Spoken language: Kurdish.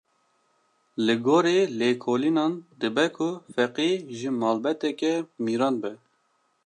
Li gorî lêkolînan dibe ku Feqî ji malbateke mîran be.